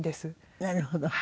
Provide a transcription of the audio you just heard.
なるほど。